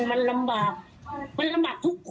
เหมือนกันมันลำบากใจมันลำบากคนมันลำบากมันลำบากทุกคน